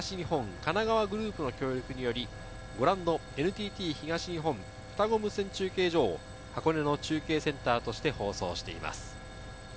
神奈川グループの協力により、ご覧のＮＴＴ東日本双子無線中継所を箱根の中継センターとして放送しています。